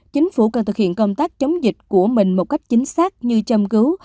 chính phủ cần thực hiện công tác chống dịch của mình một cách chính xác như châm cứu